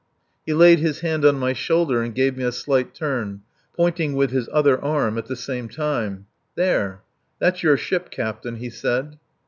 He laid his hand on my shoulder and gave me a slight turn, pointing with his other arm at the same time. "There! That's your ship, Captain," he said.